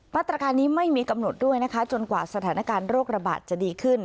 มาตรการนี้ไม่มีกำหนดด้วยนะคะจนกว่าสถานการณ์โรคระบาดจะดีขึ้น